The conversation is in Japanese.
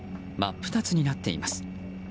二つになっています。